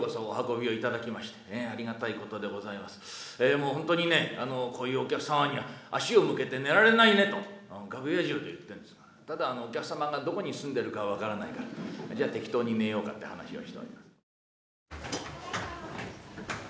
もう本当にねこういうお客様には足を向けて寝られないねと楽屋中で言ってんですがただお客様がどこに住んでるか分からないからじゃあ適当に寝ようかって話をしております。